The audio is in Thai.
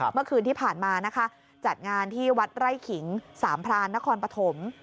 เมื่อคืนที่ผ่านมานะคะจัดงานที่วัดไร่ขิงสามพรานนครปฐม